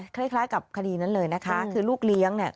คล้ายกับคดีนั้นเลยนะคะคือลูกเลี้ยงเนี่ย